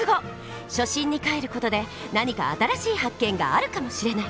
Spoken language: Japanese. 初心にかえる事で何か新しい発見があるかもしれない！